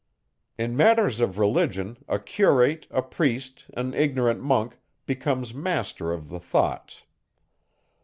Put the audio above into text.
In matters of religion, a curate, a priest, an ignorant monk becomes master of the thoughts.